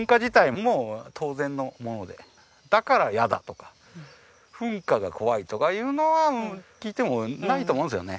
もう当然のものでだから嫌だとか噴火が怖いとかいうのは聞いてもないと思うんですよね。